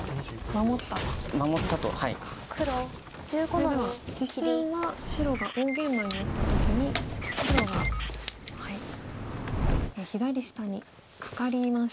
それで実戦は白が大ゲイマに打った時に黒が左下にカカりましたね。